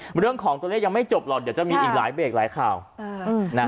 เรื่องของตัวเลขยังไม่จบหรอกเดี๋ยวจะมีอีกหลายเบรกหลายข่าว